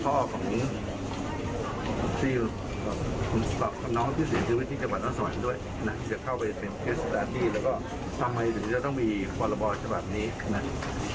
จะเข้าไปเป็นสุดาตี้แล้วก็ทำให้ทุ่มชาติจะต้องมีพรบชบับนี้นะ